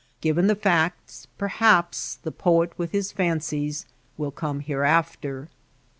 Given the facts perhaps the poet with his fancies will come hereafter.